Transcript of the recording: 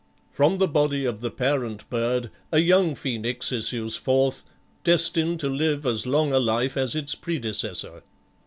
From the body of the parent bird, a young Phoenix issues forth, destined to live as long a life as its predecessor.